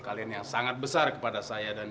kalian yang sangat besar kepada saya dan